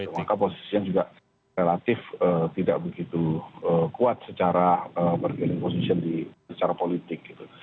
maka posisi yang juga relatif tidak begitu kuat secara mergeling posisi secara politik gitu